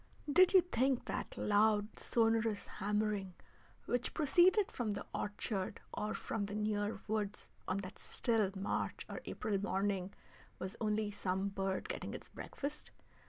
Did you think that loud, sonorous hammering which proceeded from the orchard or from the near woods on that still March or April morning was only some bird getting its breakfast?